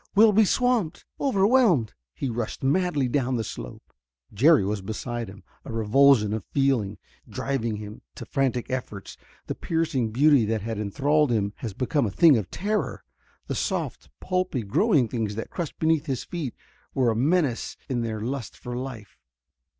We'll be swamped, overwhelmed...." He rushed madly back down the slope. Jerry was beside him, a revulsion of feeling driving him to frantic efforts. The piercing beauty that had enthralled him has become a thing of terror. The soft, pulpy, growing things that crushed beneath his feet were a menace in their lust for life.